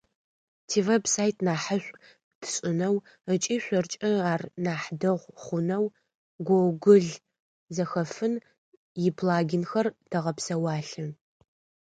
Тивеб-сайт нахьышӏу тшӏынэу ыкӏи шъоркӏэ ар нахь дэгъу хъунэу Гоогыл Зэхэфын иплагинхэр тэгъэпсэуалъэ.